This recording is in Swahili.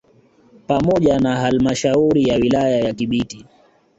Pamoja na halmashauri ya wilaya ya Kibiti